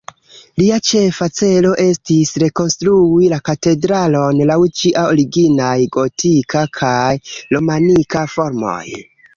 Lia ĉefa celo estis, rekonstrui la katedralon laŭ ĝia originaj gotika kaj romanika formoj.